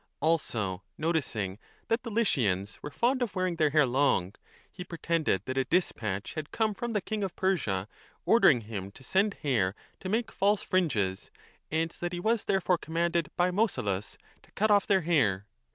Also, noticing that the Lycians were fond of wearing their hair long, he pretended that a dispatch had come from the king of Persia ordering him to send hair to make false fringes 30 and that he was therefore commanded by Mausolus to cut off their hair.